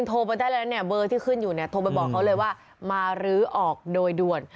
โทรไปบอกเขาเลยว่ามาลื้อออกโดยด่วน